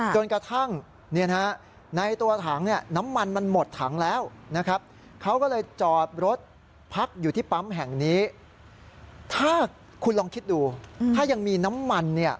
จนกระทั่งในตัวถังน้ำมันมันหมดถังแล้วนะครับ